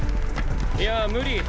いや無理。